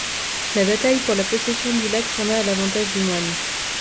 La bataille pour la possession du lac tourna à l'avantage du moine.